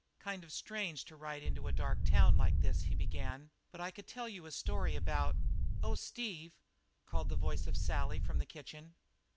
"Kind of strange to ride into a dark town like this," he began, "but I could tell you a story about " "Oh, Steve," called the voice of Sally from the kitchen.